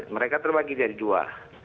mereka terbagi jadi dua